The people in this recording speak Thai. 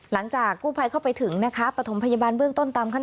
หลังจากกู้ภัยเข้าไปถึงนะคะประถมพยาบาลเบื้องต้นตามขั้น